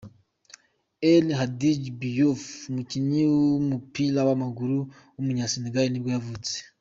El Hadji Diouf, umukinnyi w’umupira w’amaguru w’umunyasenegali nibwo yavutse.